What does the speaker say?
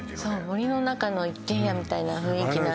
森の中の一軒家みたいな雰囲気なんですよね